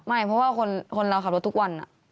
ไม่เพราะว่าคนเราขับรถทุกวัน